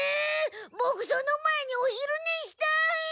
ボクその前にお昼ねしたい！